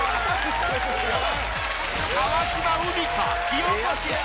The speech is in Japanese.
川島海荷